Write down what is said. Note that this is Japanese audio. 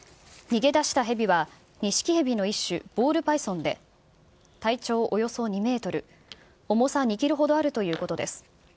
逃げ出したヘビは、ニシキヘビの一種、ボールパイソンで、体長およそ２メートル、重さ２キロほどあるということです。